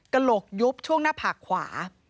กระโหลกยุบช่วงหน้าผากขวา